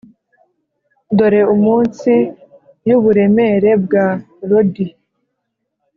dore umunsi yuburemere bwa lodie.